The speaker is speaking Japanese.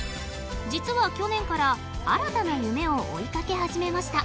実は去年から新たな夢を追いかけ始めました。